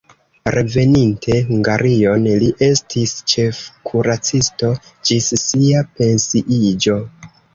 Reveninte Hungarion li estis ĉefkuracisto ĝis sia pensiiĝo.